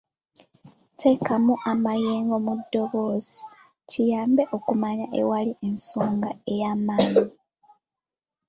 Teekamu amayengo mu ddoboozi; kiyambe okumanya ewali ensonga ey'amaanyi.